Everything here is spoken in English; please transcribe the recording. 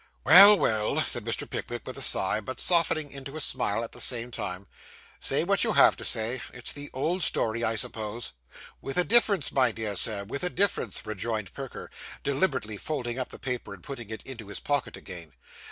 'Well, well,' said Mr. Pickwick, with a sigh, but softening into a smile at the same time. 'Say what you have to say; it's the old story, I suppose?' 'With a difference, my dear Sir; with a difference,' rejoined Perker, deliberately folding up the paper and putting it into his pocket again.